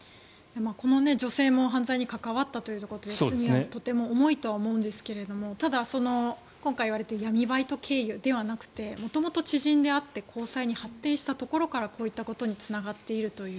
この女性も犯罪に関わったということで、罪はとても重いと思うんですがただ、今回言われている闇バイト経由ではなくて元々、知人であって交際に発展したところからこういうことにつながっているという。